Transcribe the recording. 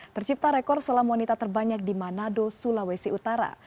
tercipta rekor selam wanita terbanyak di manado sulawesi utara